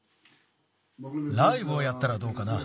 ライブをやったらどうかな？